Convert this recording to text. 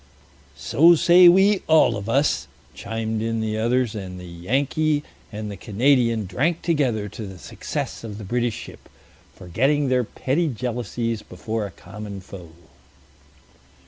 "So say we all of us," chimed in the others, and the Yankee and the Canadian drank together to the success of the British ship, forgetting their petty jealousies before a common foe.